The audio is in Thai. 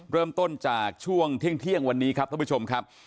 เริ่มต้นจากช่วงเที่ยงวันนี้ครับท่านผู้ชมครับ